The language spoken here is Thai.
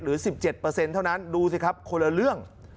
๑๗เท่านั้นดูสิครับคนละเรื่อง